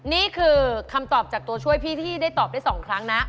นี่คือคำตอบจากตัวช่วยพี่ที่ได้ตอบได้๒ครั้งนะ